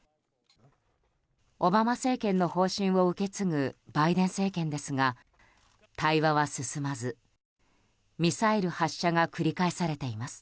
オバマ政権の方針を受け継ぐバイデン政権ですが対話は進まず、ミサイル発射が繰り返されています。